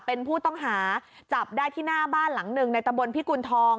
เป็นผู้ต้องหาจับได้ที่หน้าบ้านหลังหนึ่งในตำบลพิกุณฑอง